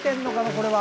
これは。